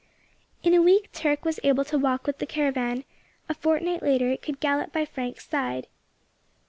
In a week Turk was able to walk with the caravan; a fortnight later it could gallop by Frank's side.